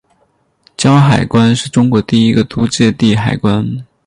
胶海关是中国第一处租借地海关。